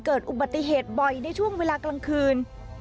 เกิดอุบัติเหตุบ่อยในช่วงเวลากลางคืน